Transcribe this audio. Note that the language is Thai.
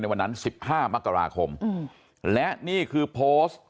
ในวันนั้นสิบห้ามกราคมอืมและนี่คือโพสต์